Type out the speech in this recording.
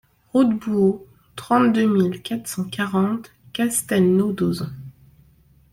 Route de Bouau, trente-deux mille quatre cent quarante Castelnau-d'Auzan